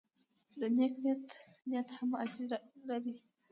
د نیک نیت نیت هم اجر لري.